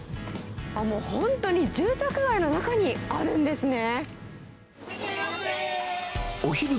もう本当に住宅街の中にあるんですね。